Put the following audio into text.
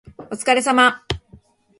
お疲れ様